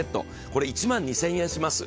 これ１万２０００円します。